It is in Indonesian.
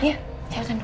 iya silakan dok